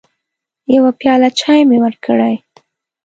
يوه پياله چايي مې وکړې